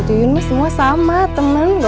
kalau yuyun senyum itu kan sengaja untuk menggoda